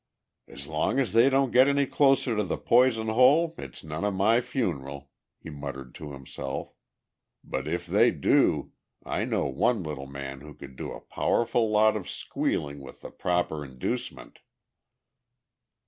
"As long as they don't get any closer to the Poison Hole it's none of my funeral," he muttered to himself. "But if they do, I know one little man who could do a powerful lot of squealing with the proper inducement!"